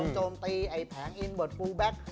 โจมตีแผงอินบอร์ดฟูลแบ็ค